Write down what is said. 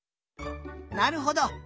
なるほど！